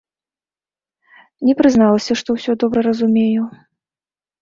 Не прызналася, што ўсё добра разумею.